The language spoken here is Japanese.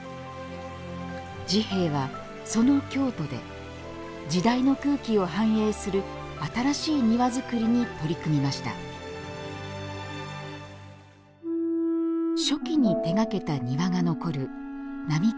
治兵衛はその京都で時代の空気を反映する新しい庭づくりに取り組みました初期に手がけた庭が残る並河邸。